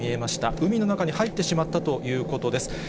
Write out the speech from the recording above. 海の中に入ってしまったということです。